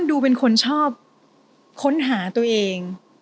ดูเป็นคนชอบค้นหาตัวเอง